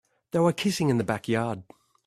They were kissing in the backyard.